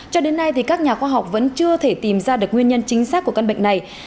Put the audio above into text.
cho đến nay các nhà khoa học vẫn chưa thể tìm ra được nguyên nhân chính xác của căn bệnh này